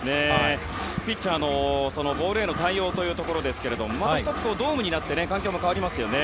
ピッチャーのボールへの対応というところですがまた１つ、ドームになって環境も変わりますね。